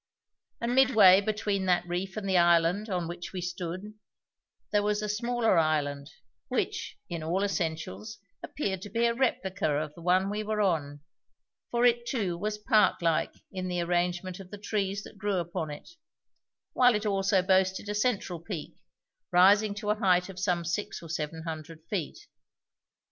And midway between that reef and the island on which we stood there was a smaller island which, in all essentials, appeared to be a replica of the one we were on, for it, too, was park like in the arrangement of the trees that grew upon it, while it also boasted a central peak, rising to a height of some six or seven hundred feet.